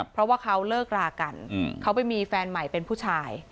เพราะว่าเขาเลิกรากันเขาไปมีแฟนใหม่เป็นผู้ชาย